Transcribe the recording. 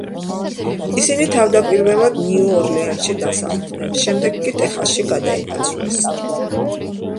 ისინი თავდაპირველად ნიუ-ორლეანში დასახლდნენ, შემდეგ კი ტეხასში გადაინაცვლეს.